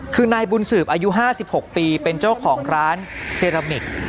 คือนายบุญสืบอายุ๕๖ปีเป็นเจ้าของร้านเซรามิก